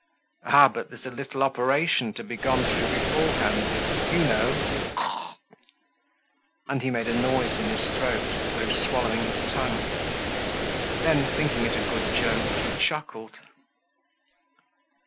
"Ah! but there's a little operation to be gone through beforehand—you know, glug!" And he made a noise in his throat, as though swallowing his tongue. Then, thinking it a good joke, he chuckled.